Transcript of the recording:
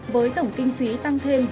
với tổng kinh phí tăng thêm